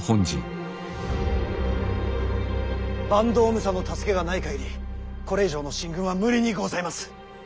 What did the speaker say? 坂東武者の助けがない限りこれ以上の進軍は無理にございます。